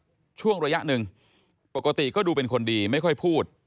รู้จักมาสักช่วงระยะหนึ่งปกติก็ดูเป็นคนดีไม่ค่อยพูด